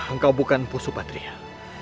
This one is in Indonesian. engkau bukan empu sukiah